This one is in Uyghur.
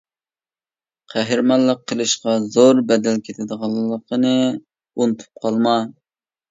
قەھرىمانلىق قىلىشقا زور بەدەل كېتىدىغانلىقىنى ئۇنتۇپ قالما.